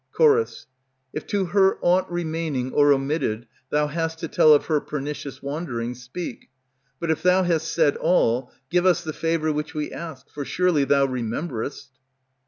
Ch. If to her aught remaining or omitted Thou hast to tell of her pernicious wandering, Speak; but if thou hast said all, give us The favor which we ask, for surely thou remember'st.